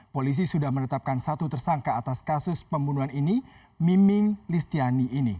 polisi sudah menetapkan satu tersangka atas kasus pembunuhan ini miming listiani ini